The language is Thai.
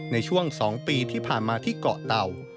ในช่วง๒ปีที่ผ่านมาที่เกาะเต่า